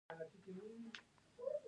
د اوزون پرت الټراوایلټ وړانګې بندوي.